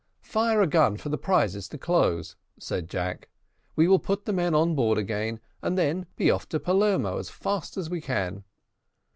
"Fire a gun for the prizes to close," said Jack; "we will put the men on board again, and then be off to Palermo as fast as we can."